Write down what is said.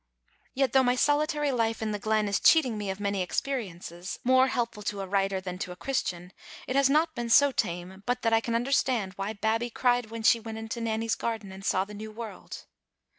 Yet though my solitary life in the glen is cheating me of many experiences, more helpful to a writer than to a Christian, it has not been so tame but that I can understand why Babbie cried when she went into Nanny's garden and saw the new world.